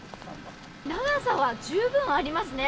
長さは十分ありますね。